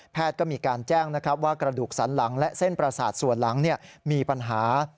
ก็มีการแจ้งนะครับว่ากระดูกสันหลังและเส้นประสาทส่วนหลังมีปัญหา